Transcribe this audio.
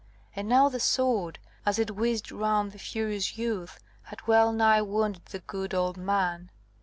And now the sword, as it whizzed round the furious youth, had well nigh wounded the good old man.